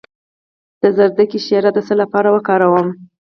د ګازرې شیره د څه لپاره وکاروم؟